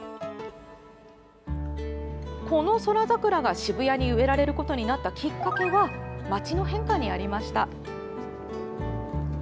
この宇宙桜が渋谷に植えられることになったきっかけは街の変化にありました。